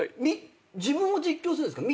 自分を実況するんですか？